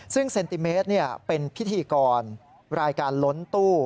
ซึ่งเซนติเมตรเป็นพิธีกรรายการล้นตู้